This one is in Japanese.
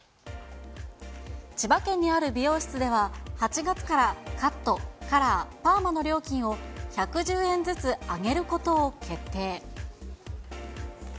千葉県にある美容室では、８月からカット、カラー、パーマの料金を１１０円ずつ上げることを決定。